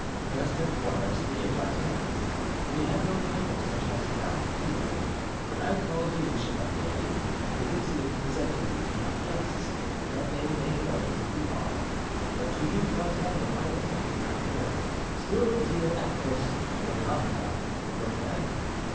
"First and foremost, dear D'Artagnan, we have no title such as count here. When I call you 'chevalier,' it is in presenting you to my guests, that they may know who you are. But to you, D'Artagnan, I am, I hope, still dear Athos, your comrade, your friend.